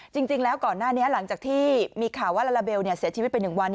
จริงแล้วก่อนหน้านี้หลังจากที่มีข่าวว่าลาลาเบลเสียชีวิตไป๑วัน